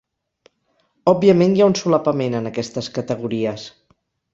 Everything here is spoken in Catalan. Òbviament hi ha un solapament en aquestes categories.